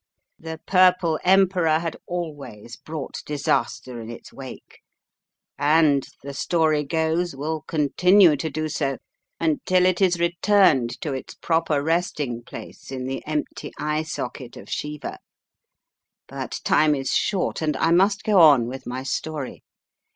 The Purple Emperor had always brought disaster in its wake, and, the story goes, will continue to do so until it is returned to its proper resting place in the empty eye socket of Shiva. But time is short and I must go on with my story.